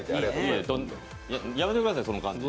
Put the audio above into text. やめてください、その感じ。